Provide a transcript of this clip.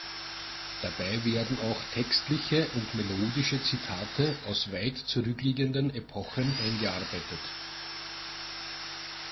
Dabei werden auch textliche und melodische Zitate aus weit zurückliegenden Epochen eingearbeitet.